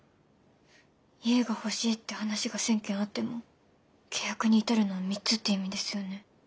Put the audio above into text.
「家が欲しいって話が１，０００件あっても契約に至るのは３つ」っていう意味ですよね？